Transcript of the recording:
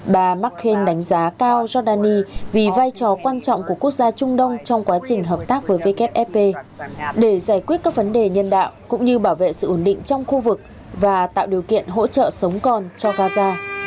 bà makhin đánh giá cao giordani vì vai trò quan trọng của quốc gia trung đông trong quá trình hợp tác với wfp để giải quyết các vấn đề nhân đạo cũng như bảo vệ sự ổn định trong khu vực và tạo điều kiện hỗ trợ sống còn cho gaza